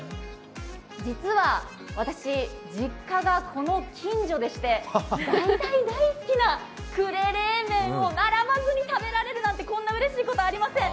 実は、私実家がこの近所でして大大大好きな呉冷麺を並ばずに食べれるなんてこんなうれしいことはありません。